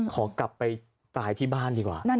ขอกลับไปตายที่บ้านดีกว่า